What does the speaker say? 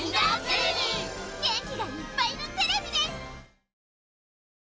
元気がいっぱいのテレビです！